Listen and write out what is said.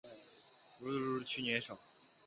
看起来比去年少